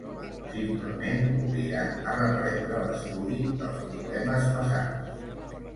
Simplement obligant a reprendre l'estudi dels problemes passats.